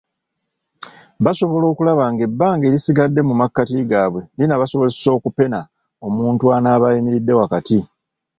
Basobole okulaba ng'ebbanga erisigadde mu makati gaabwe linaabasobozesa okupena omuntu anaaba ayimiridde wakati.